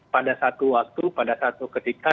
pada satu waktu pada satu ketika